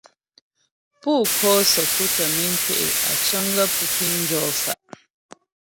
Pú ko'o səku tə́ miŋ pé' á cəŋ gaə́ pú piŋ jɔ fa'.